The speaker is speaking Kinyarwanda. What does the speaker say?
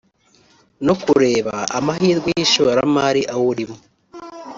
no kureba amahirwe y’ishoramari awurimo